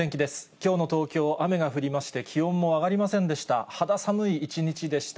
きょうの東京、雨が降りまして、気温も上がりませんでした。